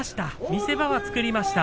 見せ場は作りました。